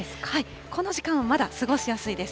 この時間はまだ過ごしやすいです。